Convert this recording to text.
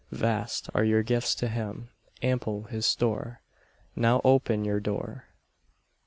Vast are your gifts to him, ample his store, Now open your door.